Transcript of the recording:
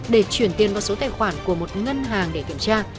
để chuyển tiền vào số tài khoản của một ngân hàng để kiểm tra